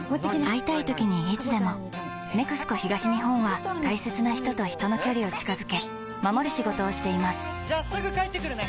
会いたいときにいつでも「ＮＥＸＣＯ東日本」は大切な人と人の距離を近づけ守る仕事をしていますじゃあすぐ帰ってくるね！